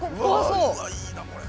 うわっいいなこれ。